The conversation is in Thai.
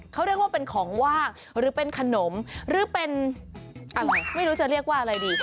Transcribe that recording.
เขาเรียกว่าเป็นของว่างหรือเป็นขนมหรือเป็นอะไรไม่รู้จะเรียกว่าอะไรดี